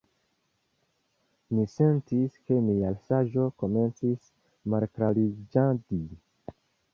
Mi sentis, ke mia saĝo komencis malklariĝadi.